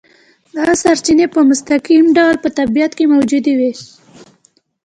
دا سرچینې په مستقیم ډول په طبیعت کې موجودې وي.